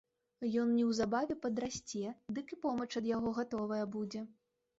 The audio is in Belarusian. Ён неўзабаве падрасце, дык і помач ад яго гатовая будзе.